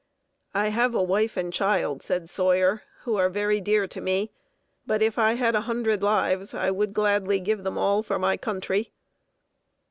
"I have a wife and child," said Sawyer, "who are very dear to me, but if I had a hundred lives I would gladly give them all for my country."